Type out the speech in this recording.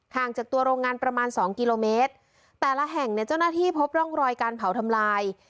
งจากตัวโรงงานประมาณสองกิโลเมตรแต่ละแห่งเนี่ยเจ้าหน้าที่พบร่องรอยการเผาทำลาย